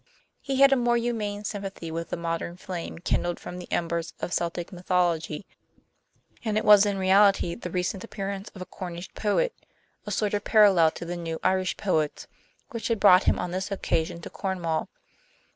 He had a more humane sympathy with the modern flame kindled from the embers of Celtic mythology, and it was in reality the recent appearance of a Cornish poet, a sort of parallel to the new Irish poets, which had brought him on this occasion to Cornwall.